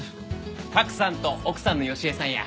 賀来さんと奥さんの好恵さんや。